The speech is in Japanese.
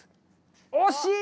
惜しい！